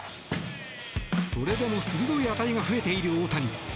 それでも鋭い当たりが増えている大谷。